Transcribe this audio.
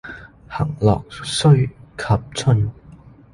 行樂須及春。